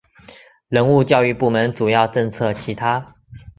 人物教育部门主要政策其他